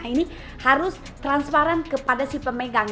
ini harus transparan kepada si pemegang